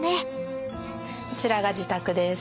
こちらが自宅です。